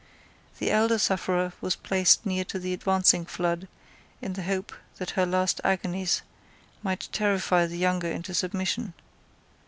The elder sufferer was placed near to the advancing flood, in the hope that her last agonies might terrify the younger into submission.